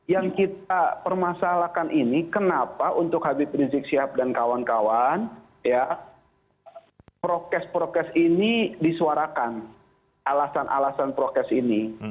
yang kita permasalahkan ini kenapa untuk habib rizik sihab dan kawan kawan ya prokes prokes ini disuarakan alasan alasan prokes ini